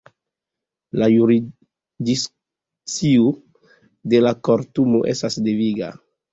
La jurisdikcio de la Kortumo estas deviga.